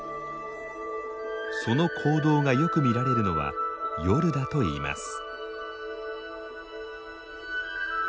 その行動がよく見られるのは夜だといいます。